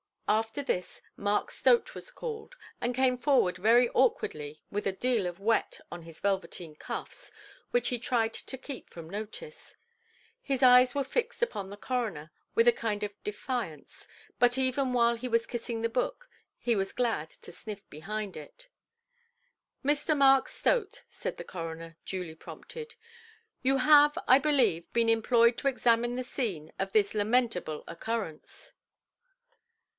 After this, Mark Stote was called, and came forward very awkwardly with a deal of wet on his velveteen cuffs, which he tried to keep from notice. His eyes were fixed upon the coroner, with a kind of defiance, but even while he was kissing the book, he was glad to sniff behind it. "Mr. Mark Stote", said the coroner, duly prompted, "you have, I believe, been employed to examine the scene of this lamentable occurrence"?